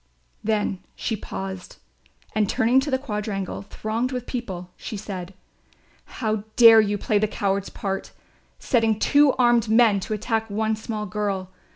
Then she paused and turning to the quadrangle thronged with people she said: "How dare you play the cowards' part, setting two armed men to attack one small girl?